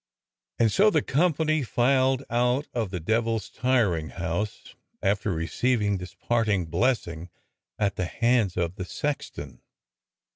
And so the company filed out of the Devil's Tiring House after receiving this parting blessing at the hands of the sex ton.